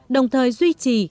đồng thời duy trì